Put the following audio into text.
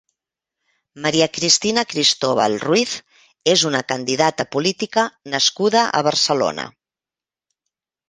Maria Cristina Cristóbal Ruiz és una candidata política nascuda a Barcelona.